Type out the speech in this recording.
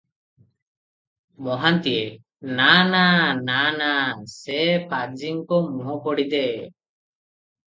ମହାନ୍ତିଏ-ନା -ନା -ନା -ନା, ସେ ପାଜିଙ୍କ ମୁହଁ ପୋଡ଼ି ଦେ ।